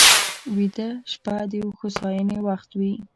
ویده شپه د هوساینې وخت وي